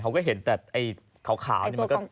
เขาก็เห็นแต่ไอ้ขาวนี่มันก็